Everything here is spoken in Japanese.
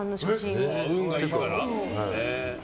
運がいいから。